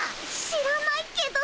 知らないけど。